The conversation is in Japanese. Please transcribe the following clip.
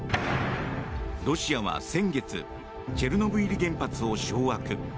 ロシアは先月チェルノブイリ原発を掌握。